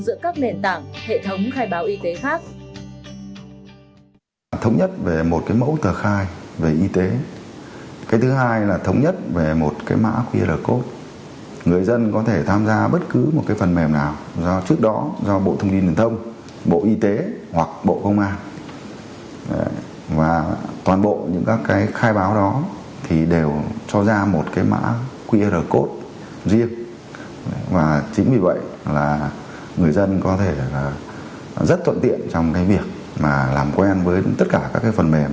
giữa các nền tảng hệ thống khai báo y tế khác